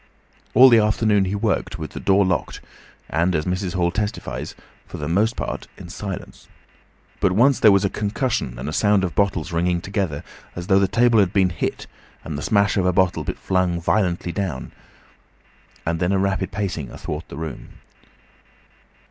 All the afternoon he worked with the door locked and, as Mrs. Hall testifies, for the most part in silence. But once there was a concussion and a sound of bottles ringing together as though the table had been hit, and the smash of a bottle flung violently down, and then a rapid pacing athwart the room.